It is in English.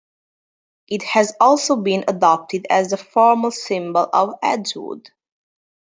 It has also been adopted as the formal symbol of Edgewood.